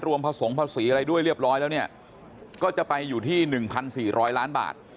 รวมภาษงภาษีอะไรด้วยเรียบร้อยแล้วเนี่ยก็จะไปอยู่ที่หนึ่งพันสี่ร้อยล้านบาท